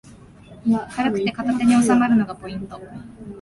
軽くて片手におさまるのがポイント